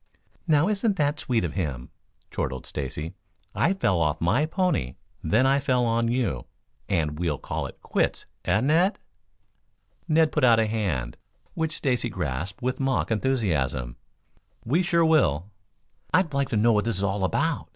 "Now, isn't that sweet of him?" chortled Stacy. "I fell off my pony, then I fell on you, and we'll call it quits, eh, Ned?" Ned put out a hand, which Stacy grasped with mock enthusiasm. "We sure will." "I'd like to know what this is all about?"